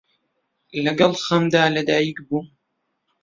لەگەڵ خەمدا لە دایک بووم،